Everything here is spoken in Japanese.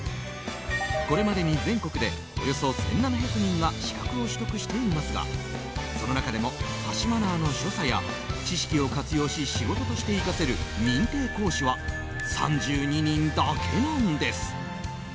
これまでに全国でおよそ１７００人が資格を取得していますがその中でも箸マナーの所作や知識を活用し仕事として生かせる認定講師は３２人だけなんです。